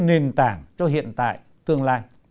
luôn có ý nghĩa nền tảng cho hiện tại tương lai